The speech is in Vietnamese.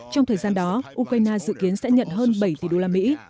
trong thời gian đó ukraine dự kiến sẽ nhận hơn bảy tỷ đô la mỹ